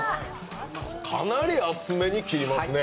かなり厚めに切りますね。